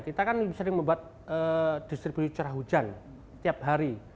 kita kan sering membuat distribusi curah hujan tiap hari